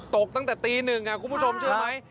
ตกตั้งแต่ตีหนึ่งคุณผู้ชมเชื่อไหม